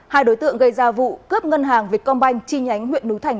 hai đối tượng gây ra vụ cướp ngân hàng việt công banh chi nhánh huyện núi thành